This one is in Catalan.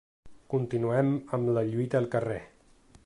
Continuem amb la lluita al carrer.